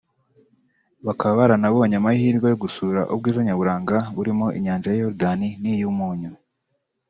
bakaba baranabonye amahirwe yo gusura ubwiza nyaburanga burimo Inyanja ya Yorodani n’iy’ Umunyu